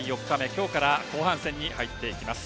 今日から後半戦に入っていきます。